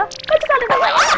kacau sama pak riza